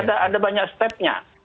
ada banyak stepnya